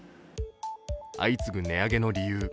相次ぐ値上げの理由。